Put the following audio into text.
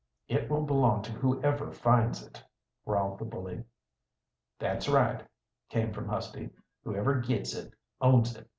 "It will belong to whoever finds it," growled the bully. "That's right," came from Husty. "Whoever gits it, owns it.